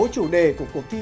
chủ đề của cuộc thi